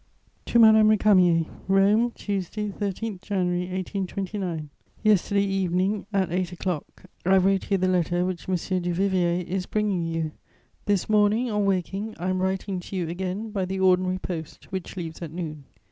TO MADAME RÉCAMIER "ROME, Tuesday, 13 January 1829. "Yesterday evening, at eight o'clock, I wrote you the letter which M. Du Viviers is bringing you; this morning, on waking, I am writing to you again by the ordinary post, which leaves at noon.